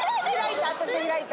私開いた。